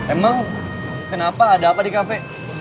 emang kenapa ada apa di kafe